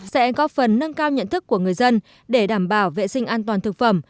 sẽ có phần nâng cao nhận thức của người dân để đảm bảo vệ sinh an toàn thực phẩm